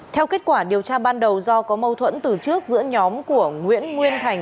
theo kết quả điều tra ban đầu do có mâu thuẫn từ trước giữa nhóm của nguyễn nguyên thành